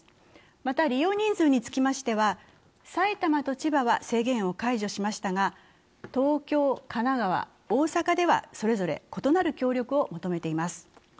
また、利用人数につきましては埼玉と千葉は制限を解除しましたが、東京、神奈川、大阪ではそれぞれ異なる協力を求めています。